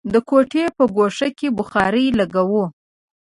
د کوټې په ګوښه کې بخارۍ لګوو.